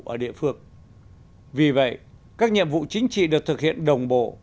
ở địa phương vì vậy các nhiệm vụ chính trị được thực hiện đồng bộ